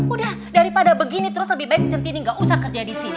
udah daripada begini terus lebih baik centini nggak usah kerja di sini